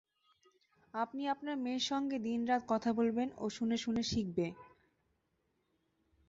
আপনি আপনার মেয়ের সঙ্গে দিন-রাত কথা বলবেন ও শুনে-শুনে শিখবে।